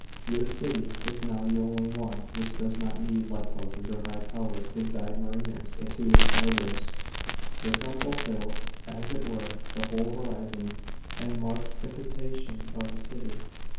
" Your city is now the only one which does not need lighthouses or high towers to guide mariners to its harbours. Til? temple fills, as it were, the whole horizon, and marks the citur tion of the city.